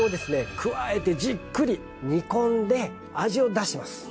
加えてじっくり煮込んで味を出してます。